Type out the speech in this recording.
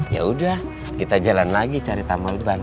yaudah kita jalan lagi cari tamal ban ya